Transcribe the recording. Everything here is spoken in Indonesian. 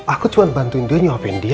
aku cuma bantuin dia nyobain dia